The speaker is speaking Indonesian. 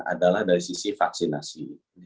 adalah dari sisi vaksinasi